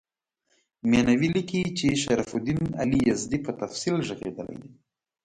مینوي لیکي چې شرف الدین علي یزدي په تفصیل ږغېدلی دی.